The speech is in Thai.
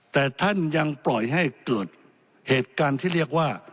แต่ท่านยังปล่อยให้เกิดเหตุการณ์ที่เรียกว่า